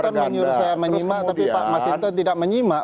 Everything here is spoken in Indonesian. pak mas hinton menyuruh saya menyimak tapi pak mas hinton tidak menyimak